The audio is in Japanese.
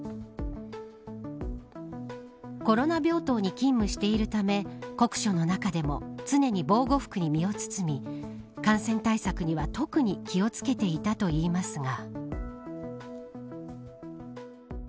コロナ病棟に勤務しているため酷暑の中でも常に防護服に身を包み感染対策には特に気を付けていたといいますが。